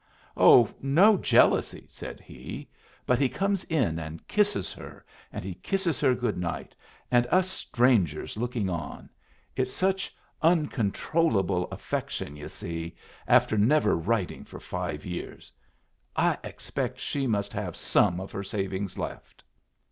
"Oh, no jealousy!" said he. "But he comes in and kisses her, and he kisses her good night, and us strangers looking on! It's such oncontrollable affection, yu' see, after never writing for five years. I expect she must have some of her savings left."